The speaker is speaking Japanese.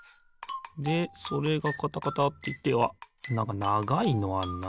でそれがカタカタっていってあっなんかながいのあんな。